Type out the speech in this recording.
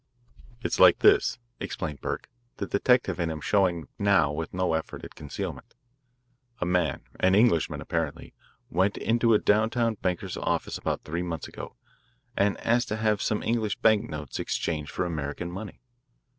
"It's like this," explained Burke, the detective in him showing now with no effort at concealment. "A man, an Englishman, apparently, went into a downtown banker's office about three months ago and asked to have some English bank notes exchanged for American money.